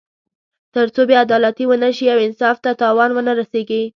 تر څو بې عدالتي ونه شي او انصاف ته تاوان ونه رسېږي.